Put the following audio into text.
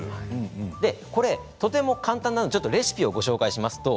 とても簡単なのでレシピをご紹介します。